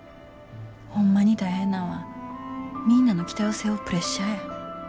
ホンマに大変なんはみんなの期待を背負うプレッシャーや。